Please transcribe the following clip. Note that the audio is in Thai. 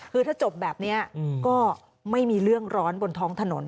คือถ้าจบแบบนี้ก็ไม่มีเรื่องร้อนบนท้องถนน